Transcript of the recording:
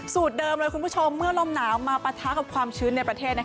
เดิมเลยคุณผู้ชมเมื่อลมหนาวมาปะทะกับความชื้นในประเทศ